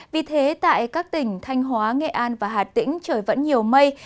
vì thế tại các tỉnh thanh hóa nghệ an và hà tĩnh trời vẫn nhiều mây